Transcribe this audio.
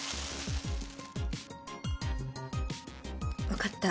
分かった。